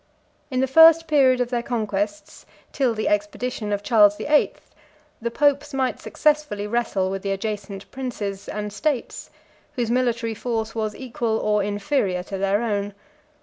89 In the first period of their conquests, till the expedition of Charles the Eighth, the popes might successfully wrestle with the adjacent princes and states, whose military force was equal, or inferior, to their own.